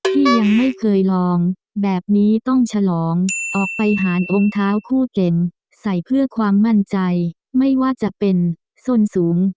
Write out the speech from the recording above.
ที่ยังไม่เคยลองแบบนี้ต้องฉลองออกไปหารองค์เท้าคู่เก่งใส่เพื่อความมั่นใจไม่ว่าจะเป็นส้นสูง